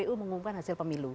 nah kpu mengungkapkan hasil pemilu